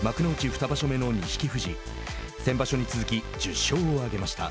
二場所目の錦富士、先場所に続き１０勝を挙げました。